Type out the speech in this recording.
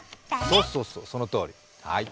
そうそうそう、そのとおり。